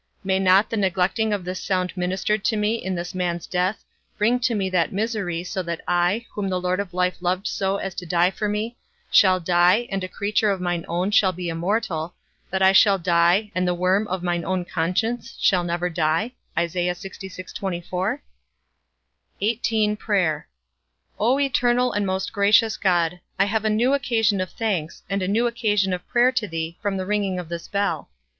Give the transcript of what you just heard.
May not the neglecting of this sound ministered to me in this man's death, bring me to that misery, so that I, whom the Lord of life loved so as to die for me, shall die, and a creature of mine own shall be immortal; that I shall die, and the worm of mine own conscience shall never die? XVIII. PRAYER. O eternal and most gracious God, I have a new occasion of thanks, and a new occasion of prayer to thee from the ringing of this bell.